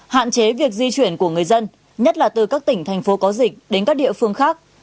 hạn chế việc di chuyển của người dân nhất là từ các tỉnh thành phố có dịch đến các địa phương khác